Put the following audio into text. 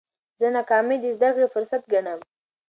زه ناکامي د زده کړي فرصت ګڼم.